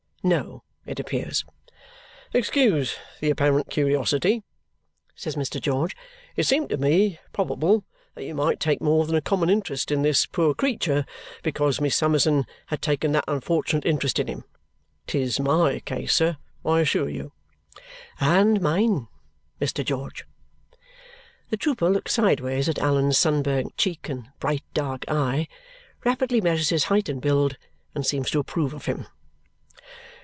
No, it appears. "Excuse the apparent curiosity," says Mr. George. "It seemed to me probable that you might take more than a common interest in this poor creature because Miss Summerson had taken that unfortunate interest in him. 'Tis MY case, sir, I assure you." "And mine, Mr. George." The trooper looks sideways at Allan's sunburnt cheek and bright dark eye, rapidly measures his height and build, and seems to approve of him.